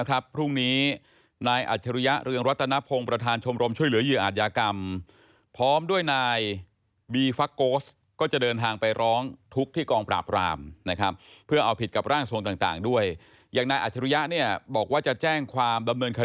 คุณเป็นร่างทรงพระแม่เดี๋ยวเจอกัน